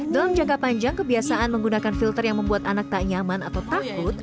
dalam jangka panjang kebiasaan menggunakan filter yang membuat anak tak nyaman atau takut